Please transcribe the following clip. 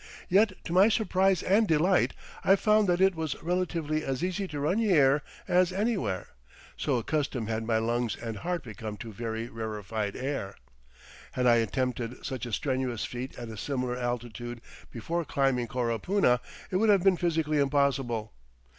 Yet to my surprise and delight I found that it was relatively as easy to run here as anywhere, so accustomed had my lungs and heart become to very rarefied air. Had I attempted such a strenuous feat at a similar altitude before climbing Coropuna it would have been physically impossible.